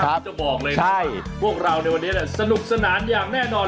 ผมจะบอกเลยนะพวกเราในวันนี้สนุกสนานอย่างแน่นอน